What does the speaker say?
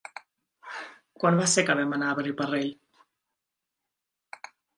Quan va ser que vam anar a Beniparrell?